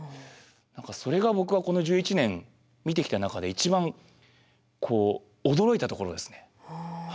何かそれが僕はこの１１年見てきた中で一番こう驚いたところですね。